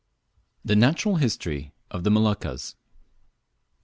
THE NATURAL HISTORY OF THE MOLUCCAS.